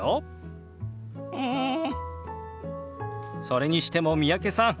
それにしても三宅さん